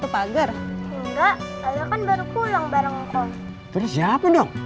ternyata siapa dong